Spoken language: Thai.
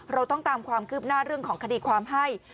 เราต้องตามความคืบหน้าเรื่องของคดีความให้